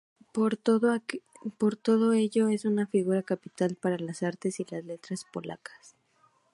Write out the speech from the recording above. Por todo ello es una figura capital para las artes y las letras polacas.